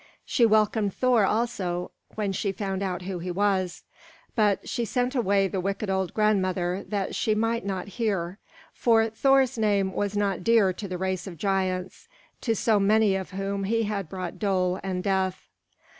She welcomed Thor also when she found out who he was; but she sent away the wicked old grandmother, that she might not hear, for Thor's name was not dear to the race of giants, to so many of whom he had brought dole and death.